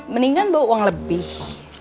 mendingan bawa uang lebih